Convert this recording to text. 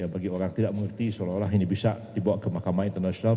bagi orang tidak mengerti seolah olah ini bisa dibawa ke mahkamah internasional